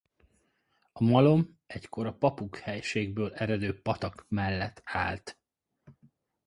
A malom egykor a Papuk-hegységből eredő patak mellett állt.